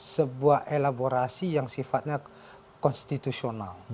sebuah elaborasi yang sifatnya konstitusional